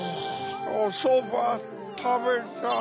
おそばたべたい。